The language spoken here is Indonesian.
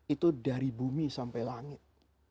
itu dari bumi sampai langit